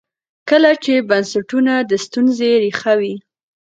کله چې بنسټونه د ستونزې ریښه وي.